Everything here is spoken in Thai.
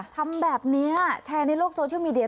ทำแบบนี้แชร์ในโลกโซเชียลมีเดีย